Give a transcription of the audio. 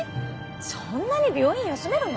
そんなに病院休めるの？